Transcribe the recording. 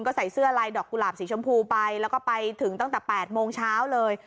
ก็ใส่เสื้อลายดอกกุหลาบสีชมพูไปแล้วก็ไปถึงตั้งแต่๘โมงเช้าเลย